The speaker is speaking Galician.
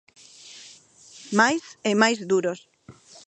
Máis e máis duros.